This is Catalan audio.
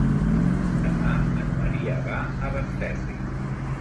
Demà en Maria va a Benferri.